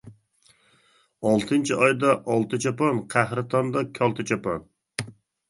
ئالتىنچى ئايدا ئالتە چاپان، قەھرىتاندا كالتە چاپان.